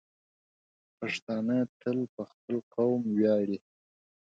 پښتانه تل په خپل قوم ویاړي.